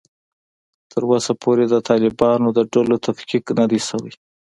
تر اوسه پورې د طالبانو د ډلو تفکیک نه دی شوی